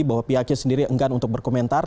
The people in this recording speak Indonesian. bahwa pihaknya sendiri enggan untuk berkomentar